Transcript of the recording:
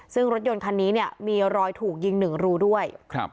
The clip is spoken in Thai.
ซึ่งรถยนต์คันนี้มีรอยถูกยิงหนึ่งรูด้วย